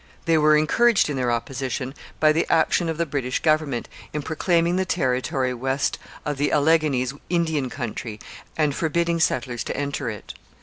They were encouraged in their opposition by the action of the British government in proclaiming the territory west of the Alleghanies Indian country and forbidding settlers to enter it.